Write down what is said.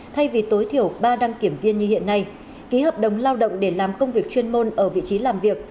thay vì tối thiểu ba đăng kiểm viên như hiện nay ký hợp đồng lao động để làm công việc chuyên môn ở vị trí làm việc